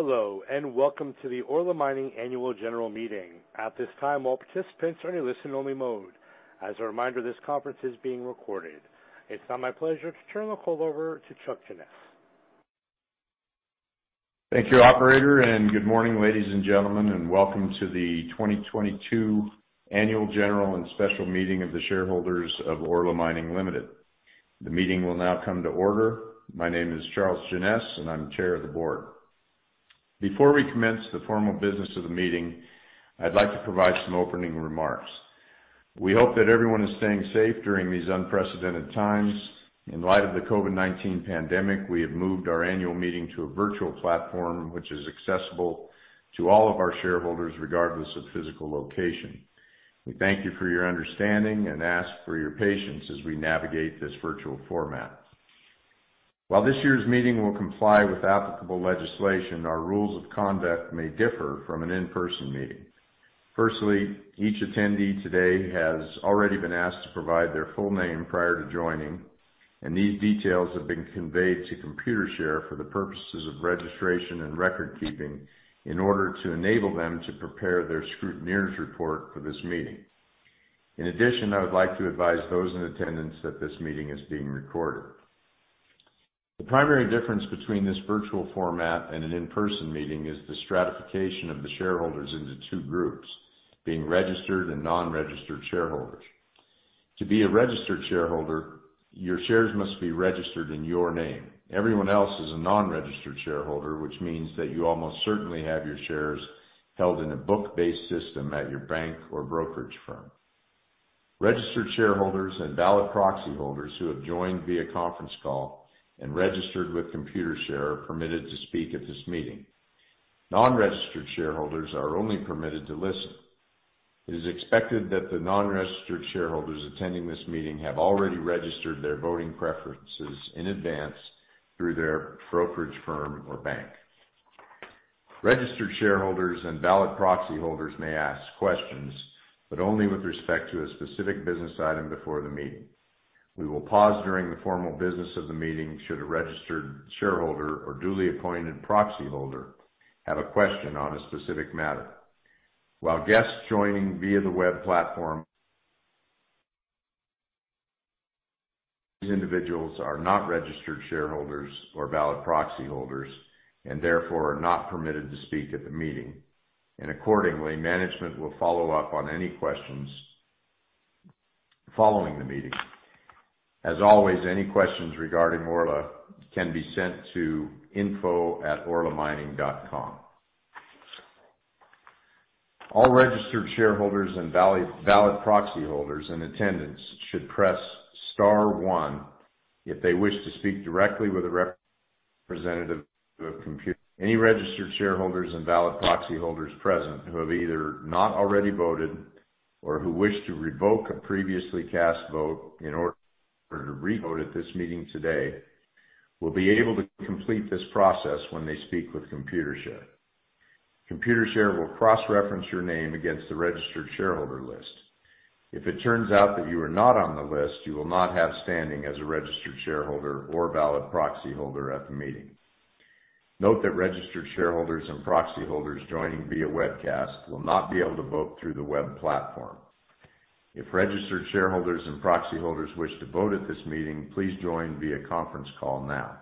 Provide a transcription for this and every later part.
Hello, and welcome to the Orla Mining annual general meeting. At this time, all participants are in listen-only mode. As a reminder, this conference is being recorded. It's now my pleasure to turn the call over to Chuck Jeannes. Thank you, operator, and good morning, ladies and gentlemen, and welcome to the 2022 Annual General and Special Meeting of the Shareholders of Orla Mining Limited. The meeting will now come to order. My name is Charles Jeannes, and I'm chair of the board. Before we commence the formal business of the meeting, I'd like to provide some opening remarks. We hope that everyone is staying safe during these unprecedented times. In light of the COVID-19 pandemic, we have moved our annual meeting to a virtual platform, which is accessible to all of our shareholders, regardless of physical location. We thank you for your understanding and ask for your patience as we navigate this virtual format. While this year's meeting will comply with applicable legislation, our rules of conduct may differ from an in-person meeting. Firstly, each attendee today has already been asked to provide their full name prior to joining, and these details have been conveyed to Computershare for the purposes of registration and record keeping in order to enable them to prepare their scrutineer's report for this meeting. In addition, I would like to advise those in attendance that this meeting is being recorded. The primary difference between this virtual format and an in-person meeting is the stratification of the shareholders into two groups, being registered and non-registered shareholders. To be a registered shareholder, your shares must be registered in your name. Everyone else is a non-registered shareholder, which means that you almost certainly have your shares held in a book-based system at your bank or brokerage firm. Registered shareholders and valid proxy holders who have joined via conference call and registered with Computershare are permitted to speak at this meeting. Non-registered shareholders are only permitted to listen. It is expected that the non-registered shareholders attending this meeting have already registered their voting preferences in advance through their brokerage firm or bank. Registered shareholders and valid proxy holders may ask questions, but only with respect to a specific business item before the meeting. We will pause during the formal business of the meeting should a registered shareholder or duly appointed proxy holder have a question on a specific matter. While guests joining via the web platform... These individuals are not registered shareholders or valid proxy holders, and therefore are not permitted to speak at the meeting, and accordingly, management will follow up on any questions following the meeting. As always, any questions regarding Orla can be sent to info@orlamining.com. All registered shareholders and valid proxy holders in attendance should press star one if they wish to speak directly with a representative of Computershare. Any registered shareholders and valid proxy holders present who have either not already voted or who wish to revoke a previously cast vote in order to re-vote at this meeting today, will be able to complete this process when they speak with Computershare. Computershare will cross-reference your name against the registered shareholder list. If it turns out that you are not on the list, you will not have standing as a registered shareholder or valid proxy holder at the meeting. Note that registered shareholders and proxy holders joining via webcast will not be able to vote through the web platform. If registered shareholders and proxy holders wish to vote at this meeting, please join via conference call now.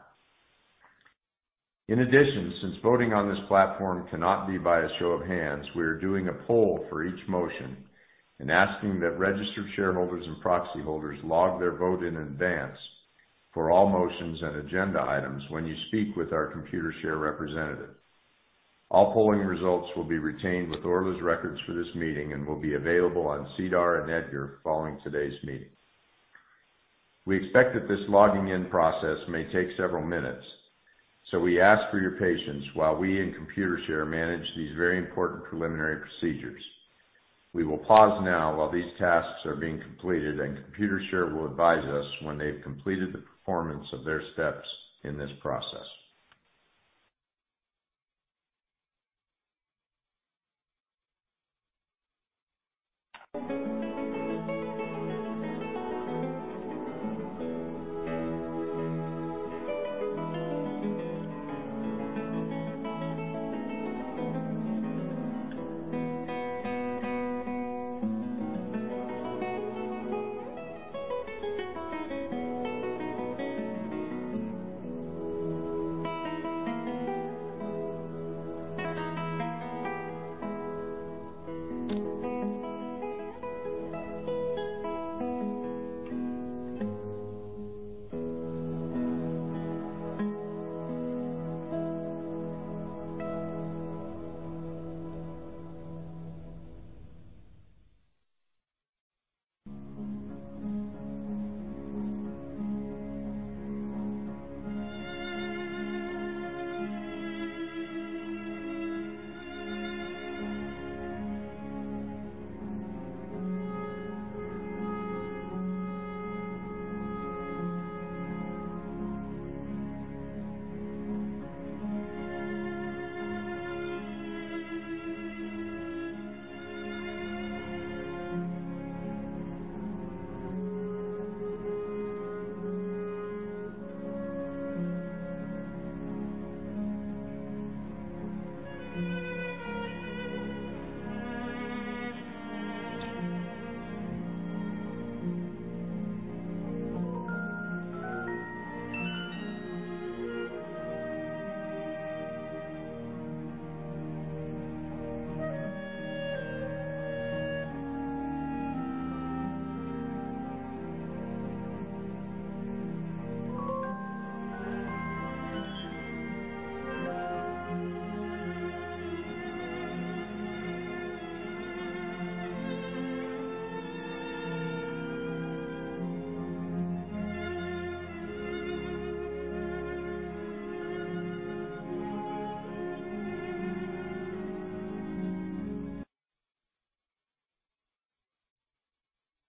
In addition, since voting on this platform cannot be by a show of hands, we are doing a poll for each motion and asking that registered shareholders and proxy holders log their vote in advance for all motions and agenda items when you speak with our Computershare representative. All polling results will be retained with Orla's records for this meeting and will be available on SEDAR and EDGAR following today's meeting. We expect that this logging in process may take several minutes, so we ask for your patience while we and Computershare manage these very important preliminary procedures. We will pause now while these tasks are being completed, and Computershare will advise us when they've completed the performance of their steps in this process. You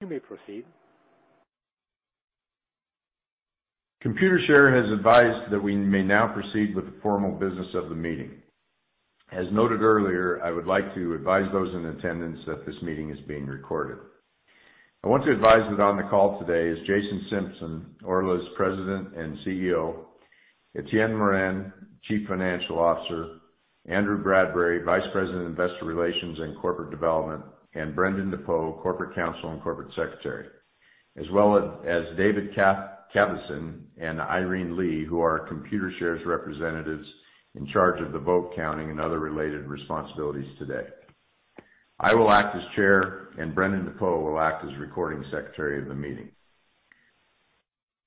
may proceed. Computershare has advised that we may now proceed with the formal business of the meeting. As noted earlier, I would like to advise those in attendance that this meeting is being recorded. I want to advise that on the call today is Jason Simpson, Orla's President and CEO, Etienne Morin, Chief Financial Officer, Andrew Bradbury, Vice President of Investor Relations and Corporate Development, and Brendan DePoe, Corporate Counsel and Corporate Secretary, as well as David Cavasin and Irene Lee, who are Computershare's representatives in charge of the vote counting and other related responsibilities today. I will act as chair, and Brendan DePoe will act as recording secretary of the meeting.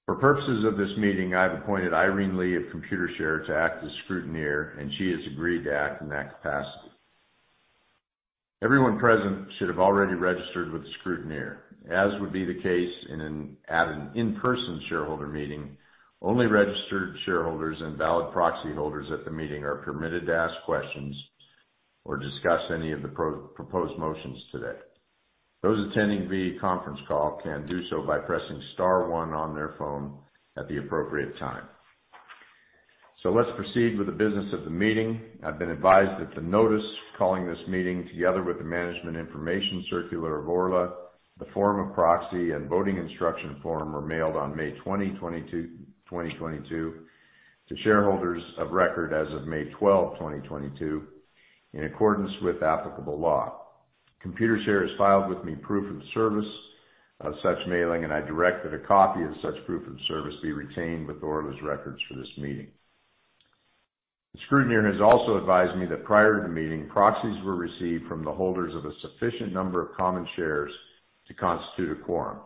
For purposes of this meeting, I've appointed Irene Lee of Computershare to act as scrutineer, and she has agreed to act in that capacity. Everyone present should have already registered with the scrutineer. As would be the case in an in-person shareholder meeting, only registered shareholders and valid proxy holders at the meeting are permitted to ask questions or discuss any of the proposed motions today. Those attending via conference call can do so by pressing star one on their phone at the appropriate time. So let's proceed with the business of the meeting. I've been advised that the notice calling this meeting, together with the Management Information Circular of Orla, the form of proxy, and voting instruction form, were mailed on May 20, 2022, to shareholders of record as of May 12, 2022, in accordance with applicable law. Computershare has filed with me proof of service of such mailing, and I direct that a copy of such proof of service be retained with Orla's records for this meeting. The scrutineer has also advised me that prior to the meeting, proxies were received from the holders of a sufficient number of common shares to constitute a quorum.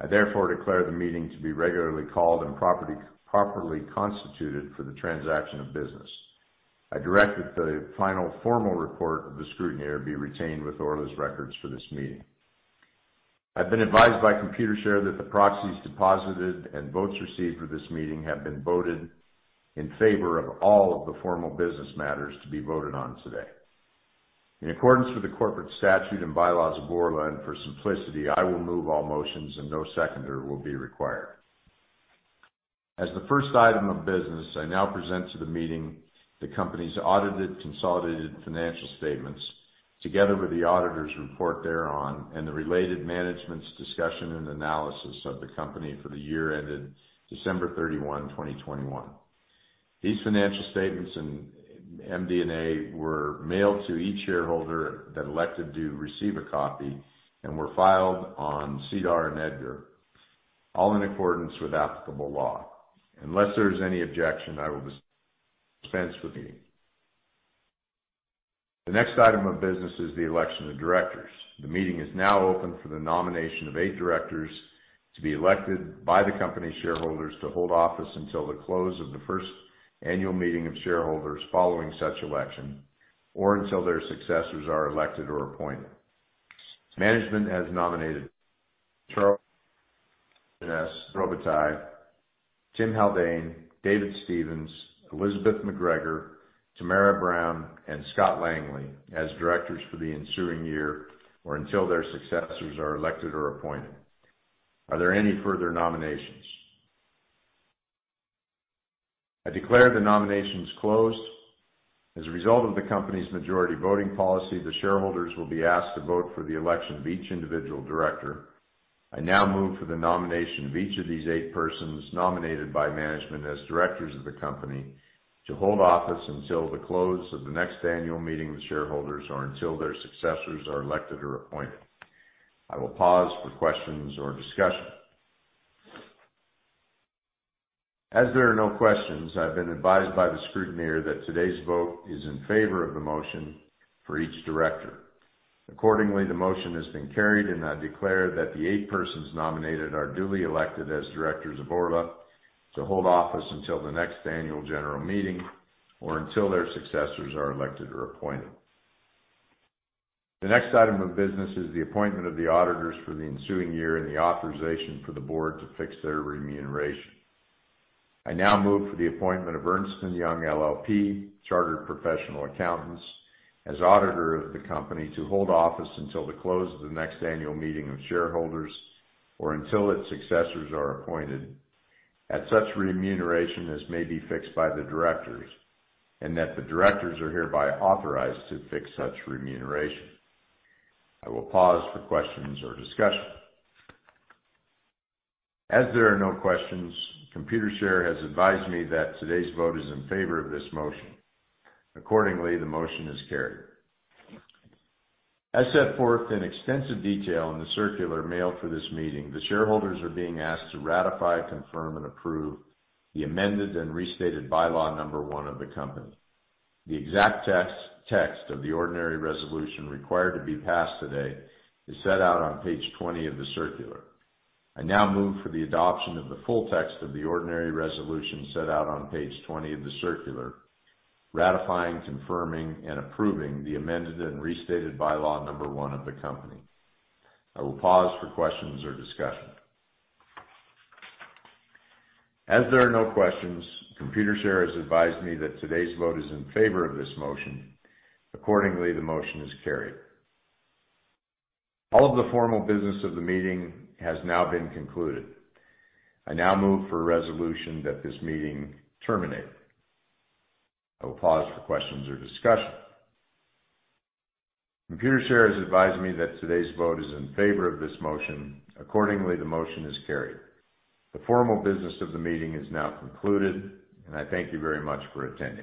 I therefore declare the meeting to be regularly called and properly constituted for the transaction of business. I direct that the final formal report of the scrutineer be retained with Orla's records for this meeting. I've been advised by Computershare that the proxies deposited and votes received for this meeting have been voted in favor of all of the formal business matters to be voted on today. In accordance with the corporate statute and bylaws of Orla, and for simplicity, I will move all motions and no seconder will be required. As the first item of business, I now present to the meeting the company's audited consolidated financial statements, together with the auditor's report thereon, and the related management's discussion and analysis of the company for the year ended December 31, 2021. These financial statements and MD&A were mailed to each shareholder that elected to receive a copy and were filed on SEDAR and EDGAR, all in accordance with applicable law. Unless there is any objection, I will dispense with the... The next item of business is the election of directors. The meeting is now open for the nomination of eight directors to be elected by the company's shareholders to hold office until the close of the first annual meeting of shareholders following such election or until their successors are elected or appointed. Management has nominated Charles Jeannes, Jean Robitaille, Tim Haldane, David Stephens, Elizabeth McGregor, Tamara Brown, and Scott Langley as directors for the ensuing year or until their successors are elected or appointed. Are there any further nominations? I declare the nominations closed. As a result of the company's majority voting policy, the shareholders will be asked to vote for the election of each individual director. I now move for the nomination of each of these eight persons, nominated by management as directors of the company, to hold office until the close of the next annual meeting of shareholders or until their successors are elected or appointed. I will pause for questions or discussion. As there are no questions, I've been advised by the scrutineer that today's vote is in favor of the motion for each director. Accordingly, the motion has been carried, and I declare that the eight persons nominated are duly elected as directors of Orla to hold office until the next annual general meeting or until their successors are elected or appointed. The next item of business is the appointment of the auditors for the ensuing year and the authorization for the board to fix their remuneration. I now move for the appointment of Ernst & Young LLP, Chartered Professional Accountants, as auditor of the company to hold office until the close of the next annual meeting of shareholders or until its successors are appointed, at such remuneration as may be fixed by the directors, and that the directors are hereby authorized to fix such remuneration. I will pause for questions or discussion. As there are no questions, Computershare has advised me that today's vote is in favor of this motion. Accordingly, the motion is carried. As set forth in extensive detail in the circular mailed for this meeting, the shareholders are being asked to ratify, confirm, and approve the amended and restated Bylaw Number One of the company. The exact text, text of the ordinary resolution required to be passed today is set out on page 20 of the circular. I now move for the adoption of the full text of the ordinary resolution set out on page 20 of the circular, ratifying, confirming, and approving the amended and restated Bylaw Number One of the company. I will pause for questions or discussion. As there are no questions, Computershare has advised me that today's vote is in favor of this motion. Accordingly, the motion is carried. All of the formal business of the meeting has now been concluded. I now move for a resolution that this meeting terminate. I will pause for questions or discussion. Computershare has advised me that today's vote is in favor of this motion. Accordingly, the motion is carried. The formal business of the meeting is now concluded, and I thank you very much for attending.